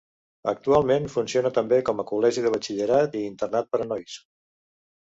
Actualment funciona també com a col·legi de batxillerat i internat per a nois.